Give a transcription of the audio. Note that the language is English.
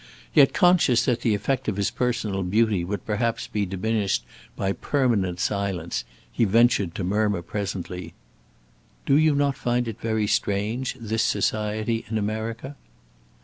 Yet conscious that the effect of his personal beauty would perhaps be diminished by permanent silence, he ventured to murmur presently: "Do you not find it very strange, this society in America?"